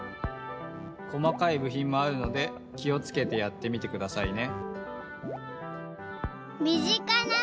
細かいぶひんもあるのできをつけてやってみてくださいね。